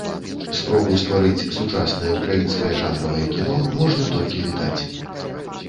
Спробу стварыць сучаснае ўкраінскае жанравае кіно можна толькі вітаць.